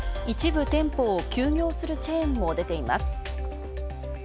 一部店舗を休業するチェーンも出ています。